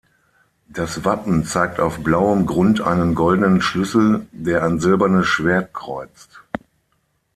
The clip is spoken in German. Das Wappen zeigt auf blauem Grund einen goldenen Schlüssel, der ein silbernes Schwert kreuzt.